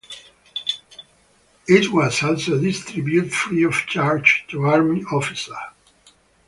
It was also distributed free of charge to army officers.